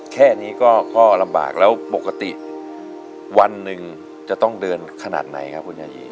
แค่นี้ก็ลำบากแล้วปกติวันหนึ่งจะต้องเดินขนาดไหนครับคุณยายี